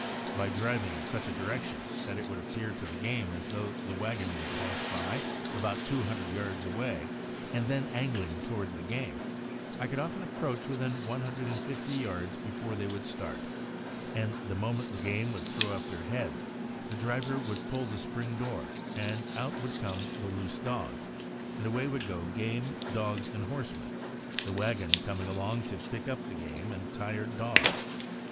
By driving in such a direction that it would appear to the game as though the wagon would pass by about two hundred yards away, and then angling toward the game, I could often approach within one hundred and fifty yards before they would start; and the moment the game would throw up their heads, the driver would pull the spring door, out would come the loose dogs, and away would go game, dogs, and horsemen, the wagon coming along to pick up the game and tired dogs.